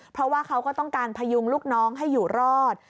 เพราะว่าเขาก็ต้องการพยุงลูกน้องให้อยู่รอด